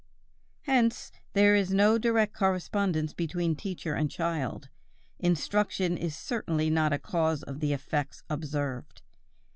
Hence there is no direct correspondence between teacher and child; instruction is certainly not a cause of the effects observed.